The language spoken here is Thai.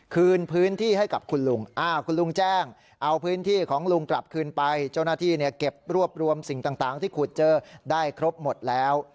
คืนพื้นที่ให้กับคุณลุงคุณลุงแจ้งเอาพื้นที่ของลุงกลับคืนไปเจ้าหน้าที่เก็บรวบรวมสิ่งต่างที่ขุดเจอได้ครบหมดแล้ว